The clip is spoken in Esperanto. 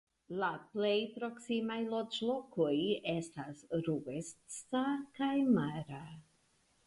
La plej proksimaj loĝlokoj estas Ruesca kaj Mara.